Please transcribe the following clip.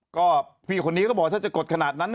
ก็พี่คนนี้ก็บอกถ้าจะกดขนาดนั้น